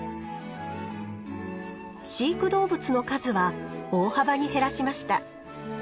飼育動物の数は大幅に減らしました。